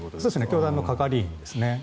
教団の係員ですね。